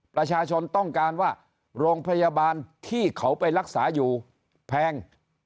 ประชาชนต้องการว่าโรงพยาบาลที่เขาไปรักษาอยู่แพง